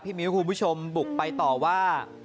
ที่มีคุณผู้ชมบุกไปต่อว่า